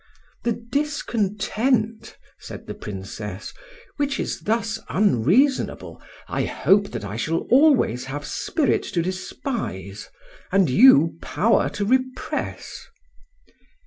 "The discontent," said the Princess, "which is thus unreasonable, I hope that I shall always have spirit to despise and you power to repress."